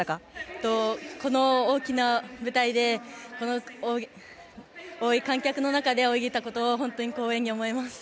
この大きな舞台でこの多い観客の中で泳げたことは光栄に思います。